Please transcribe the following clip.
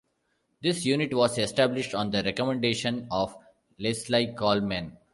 This unit was established on the recommendation of Leslie Coleman.